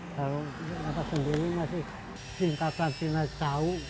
kalau apa sendiri masih singkatan cina sau